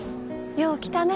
よう来たね。